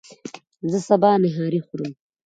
زه سبا نهاری خورم